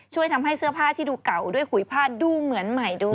ช่วยทำให้เสื้อผ้าที่ดูเก่าด้วยขุยผ้าดูเหมือนใหม่ด้วย